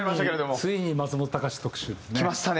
ついに松本隆特集ですね。